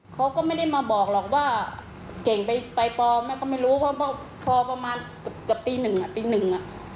เขาก็ไม่ได้มาบอกหรอกว่าเก่งไปปแม่ก็ไม่รู้ว่าปประมาณกับตีหนึ่ง